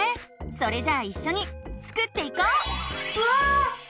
それじゃあいっしょにスクっていこう！わ！